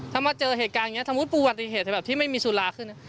ถ้ามาเจอเหตุการณ์อย่างนี้สมมุติอุบัติเหตุแบบที่ไม่มีสุราขึ้น